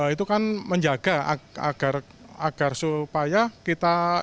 itu kan menjaga agar supaya kita